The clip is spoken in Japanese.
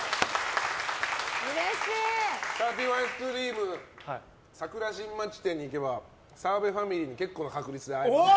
サーティワンアイスクリーム桜新町店に行けば澤部ファミリーに結構な確率で会えます。